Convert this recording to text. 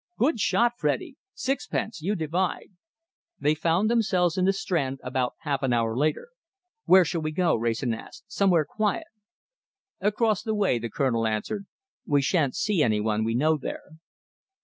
Good shot, Freddy! Sixpence, you divide!" They found themselves in the Strand about half an hour later. "Where shall we go?" Wrayson asked. "Somewhere quiet." "Across the way," the Colonel answered. "We shan't see any one we know there."